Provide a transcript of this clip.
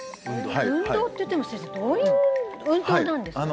運動っていっても先生どういう運動なんですかね？